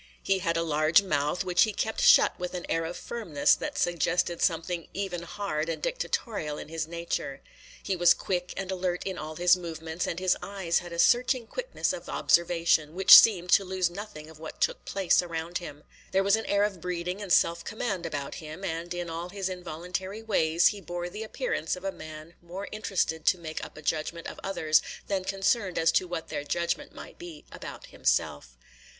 He had a large mouth, which he kept shut with an air of firmness that suggested something even hard and dictatorial in his nature. He was quick and alert in all his movements, and his eyes had a searching quickness of observation, which seemed to lose nothing of what took place around him. There was an air of breeding and self command about him; and in all his involuntary ways he bore the appearance of a man more interested to make up a judgment of others than concerned as to what their judgment might be about himself.